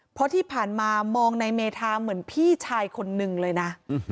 เพราะที่ผ่านมามองในเมธาเหมือนพี่ชายคนนึงเลยนะ